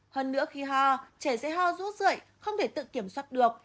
hơn nữa khi hoa trẻ sẽ hoa rút rượi không thể tự kiểm soát được